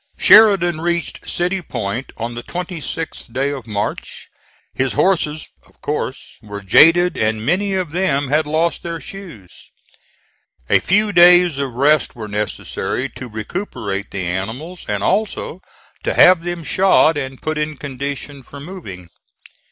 Sheridan reached City Point on the 26th day of March. His horses, of course, were jaded and many of them had lost their shoes. A few days of rest were necessary to recuperate the animals and also to have them shod and put in condition for moving.